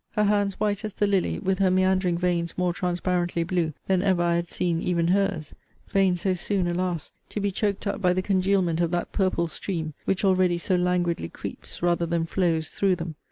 Her hands white as the lily, with her meandering veins more transparently blue than ever I had seen even her's, (veins so soon, alas! to be choked up by the congealment of that purple stream, which already so languidly creeps, rather than flows, through them!)